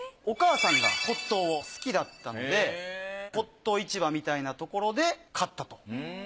お母さんが骨董を好きだったので骨董市場みたいなところで買ったと。